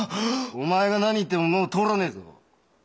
お前が何言ってももう通らねえぞ。